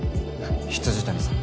未谷さん。